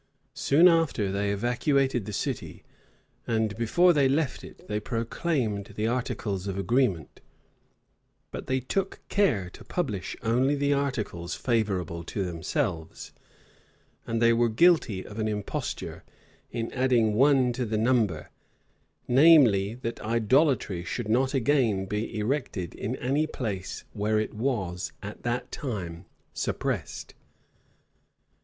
Soon after, they evacuated the city; and before they left it, they proclaimed the articles of agreement; but they took care to publish only the articles favorable to themselves, and they were guilty of an imposture, in adding one to the number, namely, that idolatry should not again be erected in any place where it was at that time suppressed.